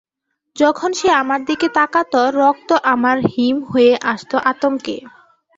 যখন সে আমার দিকে তাকাত, রক্ত আমার হিম হয়ে আসত আতঙ্কে।